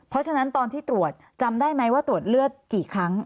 เพราะฉะนั้นตอนที่ตรวจจำได้ไหมว่าตรวจเลือดกี่ครั้ง